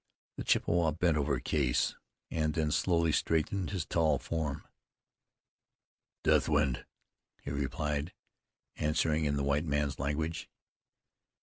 The Chippewa bent over Case, and then slowly straightened his tall form. "Deathwind!" he replied, answering in the white man's language.